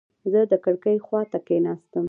زه د کړکۍ خواته کېناستم.